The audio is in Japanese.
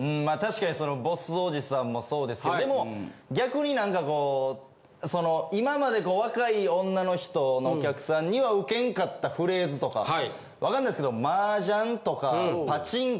まあたしかにそのボスおじさんもそうですけどでも逆になんかこうその今までこう若い女の人のお客さんにはウケんかったフレーズとかわかんないですけど。